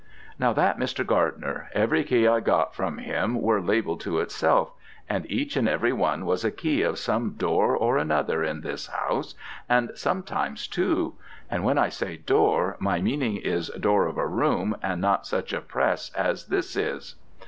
Now that Mr. Gardner, every key I got from him were labelled to itself, and each and every one was a key of some door or another in this house, and sometimes two; and when I say door, my meaning is door of a room, not like such a press as this is.